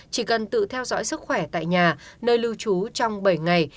chỉ cần tự theo dõi sức khỏe tại nhà nơi lưu trú trong bảy ngày